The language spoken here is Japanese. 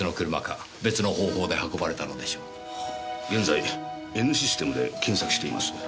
現在Ｎシステムで検索しています。